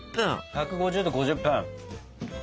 １５０℃５０分。